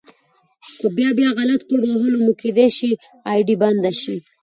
په بيا بيا غلط کوډ وهلو مو کيدی شي آئيډي بنده شي